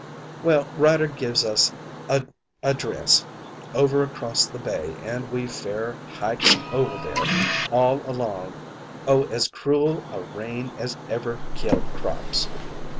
"Well, Ryder gives us a address over across the bay an' we fair hykes over there all along o' as crool a rain as ever killed crops.